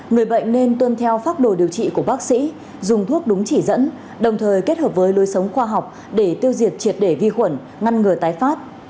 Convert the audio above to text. người bệnh nên tuân theo pháp đồ điều trị của bác sĩ dùng thuốc đúng chỉ dẫn đồng thời kết hợp với lối sống khoa học để tiêu diệt triệt để vi khuẩn ngăn ngừa tái phát